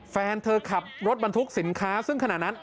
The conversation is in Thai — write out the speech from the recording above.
แฟนเธอขับรถบรรทุกสินค้าซึ่งขณะนั้น